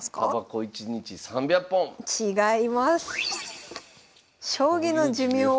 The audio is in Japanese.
たばこ１日３００本！違います。